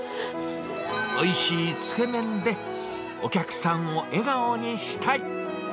おいしいつけ麺で、お客さんを笑顔にしたい。